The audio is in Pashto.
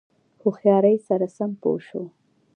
هوښیاری سره سم پوه شو.